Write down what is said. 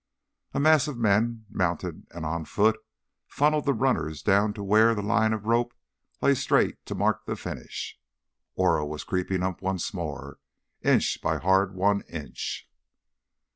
A mass of men, mounted and on foot, funneled the runners down to where the line of rope lay straight to mark the finish. Oro was creeping up once more, inch by hard won inch.